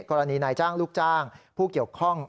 กรณีนายจ้างลูกจ้างผู้เกี่ยวข้อง